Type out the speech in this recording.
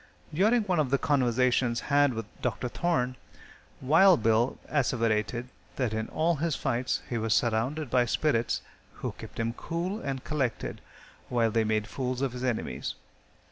During one of the conversations had with Dr. Thorne, Wild Bill asseverated that in all his fights he was surrounded by spirits, who kept him cool and collected while they made fools of his enemies.